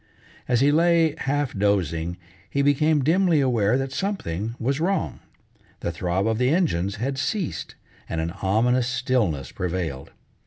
As he lay, half dozing, he became dimly aware that something was wrong. The throb of the engines had ceased, and an ominous stillness prevailed.